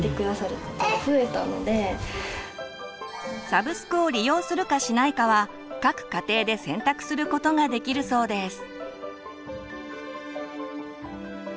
サブスクを利用するかしないかは各家庭で選択することができるそうです。